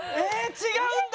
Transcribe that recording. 違うんだ。